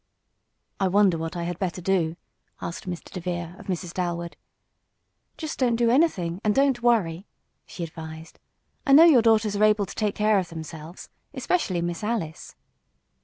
"I wonder what I had better do?" asked Mr. DeVere of Mrs. Dalwood. "Just don't do anything and don't worry," she advised. "I know your daughters are able to take care of themselves especially Miss Alice."